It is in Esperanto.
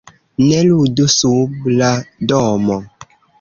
"Ne ludu sub la domo!"